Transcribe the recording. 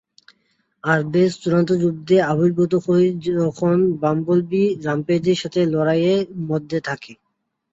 Ravage চূড়ান্ত যুদ্ধে আবির্ভূত হয়, যখন বাম্বলবি রামপেজের সাথে লড়াইয়ের মধ্যে থাকে।